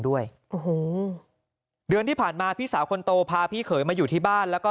ด้วยโอ้โหเดือนที่ผ่านมาพี่สาวคนโตพาพี่เขยมาอยู่ที่บ้านแล้วก็